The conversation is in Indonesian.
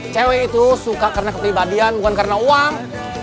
cewek itu suka karena kepribadian bukan karena uang